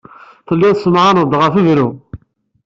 Telliḍ tessemɛaneḍ-d ɣef berru.